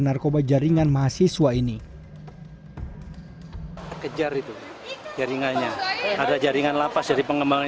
narkoba jaringan mahasiswa ini kejar itu jaringannya ada jaringan lapas dari pengembangan